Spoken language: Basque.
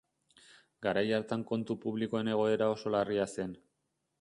Garai hartan kontu publikoen egoera oso larria zen.